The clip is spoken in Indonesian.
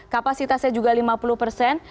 kapasitasnya juga lima puluh persen